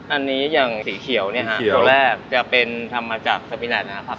อันนี้อย่างสีเขียวเนี่ยฮะเขียวแรกจะเป็นทำมาจากสปีแลตนะครับ